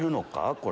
これ。